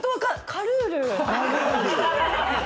カルール。